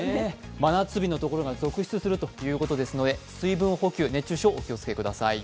真夏日のところが続出するということで水分補給、熱中症、お気をつけください。